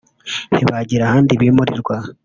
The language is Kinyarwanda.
ntibagira ahandi bimurirwa